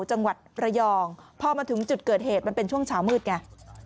จังหวัดระยองพอมาถึงจุดเกิดเหตุมันเป็นช่วงเช้ามืดไง